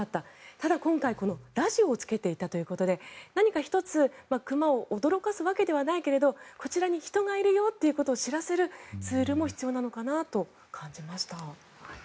ただ、今回ラジオをつけていたということでなにか１つ熊を驚かせるわけではないけどこちらに人がいるよということを知らせるツールも必要なのかなと感じました。